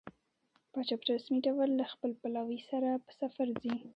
پاچا په رسمي ډول له خپل پلاوي سره په سفر ځي.